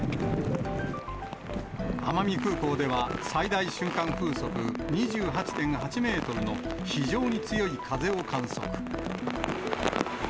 奄美空港では、最大瞬間風速２８．８メートルの非常に強い風を観測。